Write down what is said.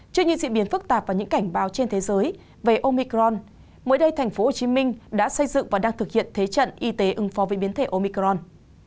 trước những diễn biến phức tạp và những cảnh báo trên thế giới về omicron mỗi đây thành phố hồ chí minh đã xây dựng và đang thực hiện thế trận y tế ứng phó với biến thể omicron